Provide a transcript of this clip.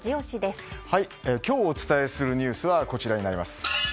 今日お伝えするニュースはこちらになります。